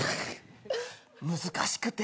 難しくて。